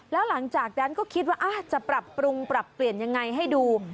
แล้วหลังจากนั้นก็คิดว่าจะปรับปรุงปรับเปลี่ยนยังไงให้ดู